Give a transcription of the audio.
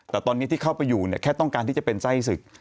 แต่ตอนนี้ที่เข้าไปอยู่เนี่ยแค่ต้องการที่จะเป็นไส้ศึก